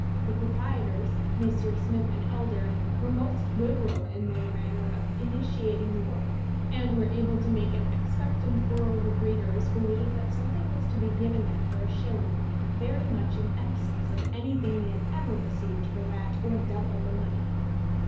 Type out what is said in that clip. The proprietors, Messrs. Smith & Elder, were most liberal in their manner of initiating the work, and were able to make an expectant world of readers believe that something was to be given them for a shilling very much in excess of anything they had ever received for that or double the money.